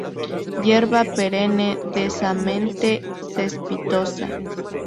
Hierba perenne, densamente cespitosa.